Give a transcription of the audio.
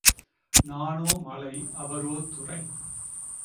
நானோ மலை அவரோ துரை.